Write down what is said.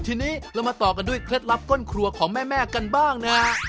ทีนี้เรามาต่อกันด้วยเคล็ดลับต้นครัวของแม่กันบ้างนะฮะ